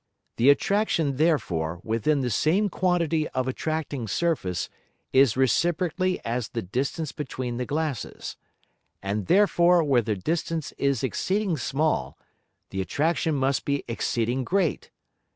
The Attraction therefore within the same quantity of attracting Surface, is reciprocally as the distance between the Glasses. And therefore where the distance is exceeding small, the Attraction must be exceeding great.